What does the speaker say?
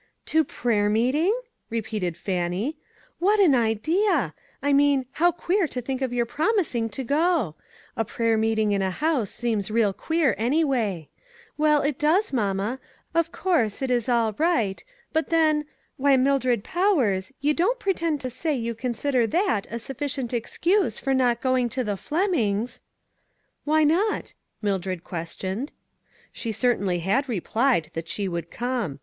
"To prayer meeting?" repeated Fannie. "What an idea ! I mean, how queer to think of your promising to go. A prayer meeting in a house seems real queer, anyway. Well, it does, mamma ; of course, it is all right, but then — why, Mildred Powers, you don't pre ENGAGEMENTS. 247 tend to say you consider that a sufficient excuse for not going to the Flemings !"" Why not ?" Mildred questioned. She certainly had replied that she would come.